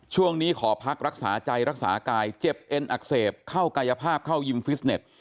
ขอพักรักษาใจรักษากายเจ็บเอ็นอักเสบเข้ากายภาพเข้ายิมฟิสเน็ต